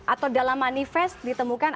atau dalam manifest ditemukan